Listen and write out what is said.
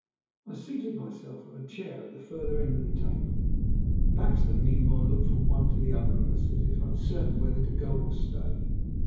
I seated myself on a chair at the further end of the table; Baxter meanwhile looked from one to the other of us as if uncertain whether to go or stay.